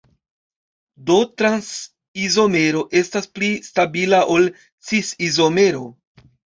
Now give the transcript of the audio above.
Do trans-izomero estas pli stabila ol cis-izomero.